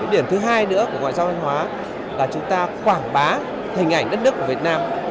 điểm thứ hai nữa của ngoại giao văn hóa là chúng ta quảng bá hình ảnh đất nước của việt nam